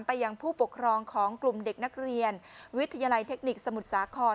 ยังผู้ปกครองของกลุ่มเด็กนักเรียนวิทยาลัยเทคนิคสมุทรสาคร